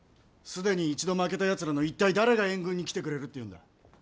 既に一度負けたヤツらの一体誰が援軍に来てくれるっていうんだ。